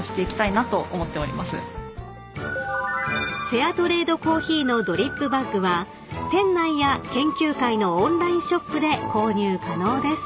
［フェアトレードコーヒーのドリップバッグは店内や研究会のオンラインショップで購入可能です］